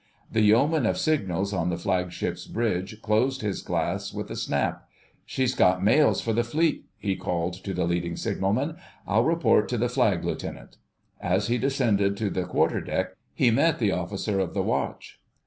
The Yeoman of Signals on the Flagship's bridge closed his glass with a snap. "She's got mails for the Fleet," he called to the Leading Signalman. "I'll report to the Flag Lieutenant." As he descended to the quarterdeck he met the Officer of the Watch.